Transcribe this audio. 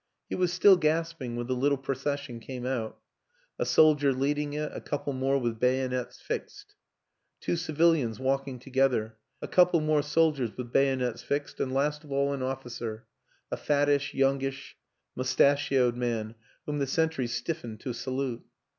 He was still gasping when the little procession came out; a soldier leading it, a couple more with bayonets fixed two civilians walking together a couple more soldiers with bayonets fixed and last of all an officer, a fattish, youngish, mustachioed man whom the sentries stiffened to salute.